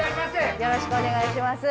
よろしくお願いします。